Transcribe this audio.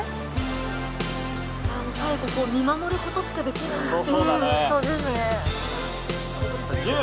最後見守ることしかできない。